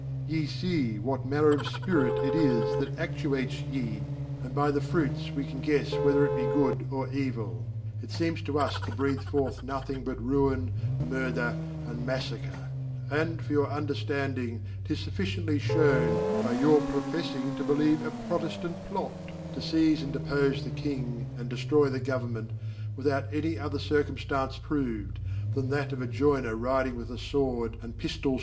2V fie what manner of Spirit it is that actuates ye; and ly the Fruits we canguefis whether it be good or evil: it fie ems to us to breath forth nothing but Ruine, Murther, and Mafiacre. And, for your under/landing, 'tisfiufitciently (hewn, *by your pro fefiftng to believe a' Proteflant Plot ( to Seize and Depofie the King* and defttoy the Government ) without any other Circum fiance proved ', than that of a Joy tier riding with Sword and Pifiols EpiAIe to the TORIES.